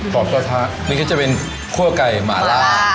ขอบความท้านี่ก็จะเป็นคั่วไก่หมาล่า